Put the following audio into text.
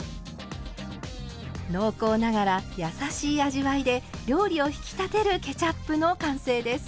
濃厚ながら優しい味わいで料理を引き立てるケチャップの完成です。